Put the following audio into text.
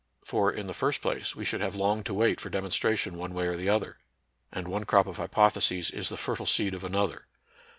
For, in the first place, we should have long to wait for demonstration one way or the other; and one crop of hypotheses is the fertile seed of another.